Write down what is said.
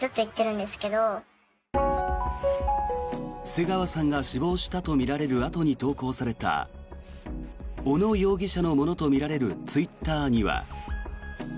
瀬川さんが死亡したとみられるあとに投稿された小野容疑者のものとみられるツイッターには。